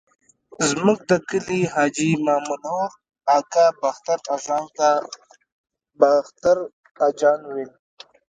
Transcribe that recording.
زموږ د کلي حاجي مامنور اکا باختر اژانس ته باختر اجان ویل.